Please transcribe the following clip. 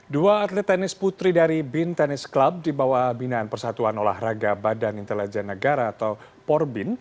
dua atlet tenis putri dari bin tenis club di bawah binaan persatuan olahraga badan intelijen negara atau porbin